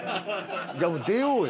じゃあもう出ようや。